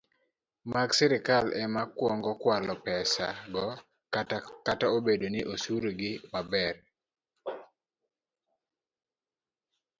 mag sirkal ema kwongo kwalo pesago, kata obedo ni osurogi maber